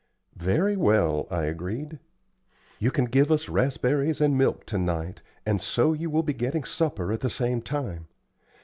"Very well," I agreed. "You can give us raspberries and milk to night, and so you will be getting supper at the same time.